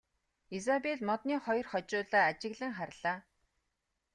Изабель модны хоёр хожуулаа ажиглан харлаа.